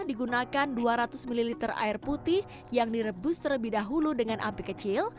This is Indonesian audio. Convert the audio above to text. digunakan dua ratus ml air putih yang direbus terlebih dahulu dengan api kecil